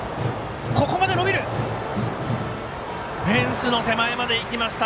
フェンスの手前までいきました。